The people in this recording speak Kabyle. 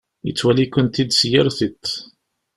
Yettwali-kent-id s yir tiṭ.